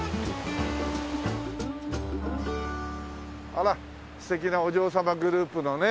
あら素敵なお嬢様グループのね。